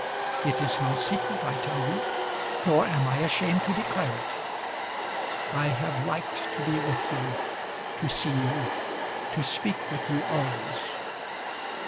It is no secret I tell you, nor am I ashamed to declare it: I have liked to be with you, to see you, to speak with you always.